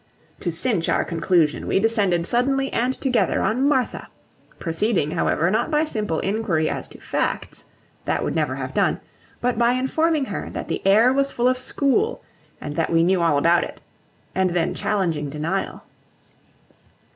To clinch our conclusion, we descended suddenly and together on Martha; proceeding, however, not by simple inquiry as to facts, that would never have done, but by informing her that the air was full of school and that we knew all about it, and then challenging denial.